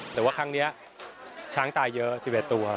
แต่ว่าครั้งนี้ช้างตายเยอะ๑๑ตัว